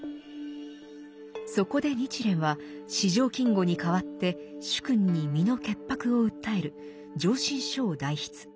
そこで日蓮は四条金吾に代わって主君に身の潔白を訴える上申書を代筆。